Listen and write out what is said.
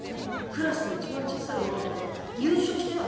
クラスで一番小さいロボットで優勝したよ